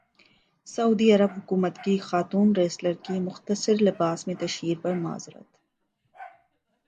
سعودی عرب حکومت کی خاتون ریسلر کی مختصر لباس میں تشہیر پر معذرت